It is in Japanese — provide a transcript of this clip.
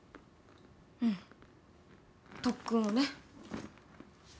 うん特訓をね。